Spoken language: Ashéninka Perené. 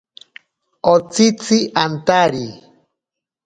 Otsitzi antari.